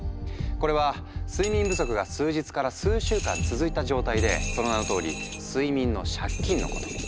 これは睡眠不足が数日から数週間続いた状態でその名のとおり「睡眠の借金」のこと。